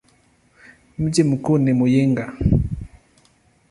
Mji mkuu ni Muyinga.